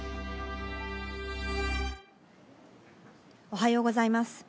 おはようございます。